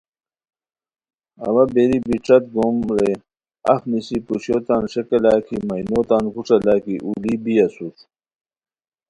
اوا بیری بی ݯت گوم رے اف نیسی پوشیو تان ݰیکہ لاکی مینو تان گوݯھہ لاکی اولی بی اسور